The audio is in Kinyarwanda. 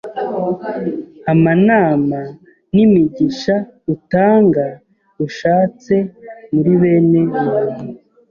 Amanama n' imigisha utanga ushatse muri bene muntu